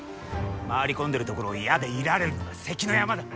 回り込んでるところを矢で射られるのが関の山だ。